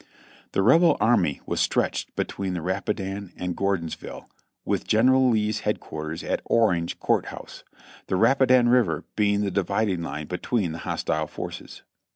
The Rebel army was stretched between the Rapidan and Gor donsville, with General Lee's headquarters at Orange Court House; the Rapidan River being the dividing line between the hostile forces.